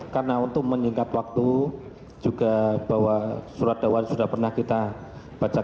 karena untuk meningkat waktu juga bahwa surat dawan sudah pernah kita bacakan